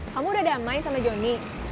kamu udah damai sama johnny